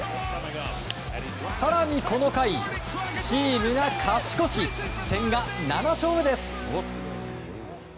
更に、この回チームが勝ち越し千賀７勝です。